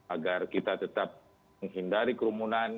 agar kita tetap menghindari kerumunan